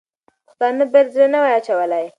پښتانه باید زړه نه وای اچولی.